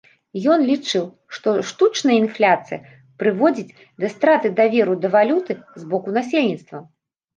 Ён лічыў, што штучная інфляцыі прыводзіць да страты даверу да валюты з боку насельніцтва.